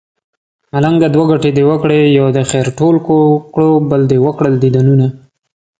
ملنګه دوه ګټې دې وکړې يو دې خير ټول کړو بل دې وکړل ديدنونه